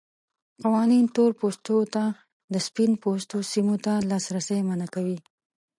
قوانین تور پوستو ته د سپین پوستو سیمو ته لاسرسی منع کوي.